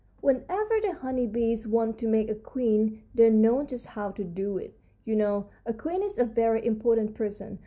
"Whenever the honey bees want to make a queen they know just how to do it. You know, a queen is a very important person.